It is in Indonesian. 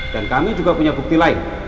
dan kami juga punya bukti lain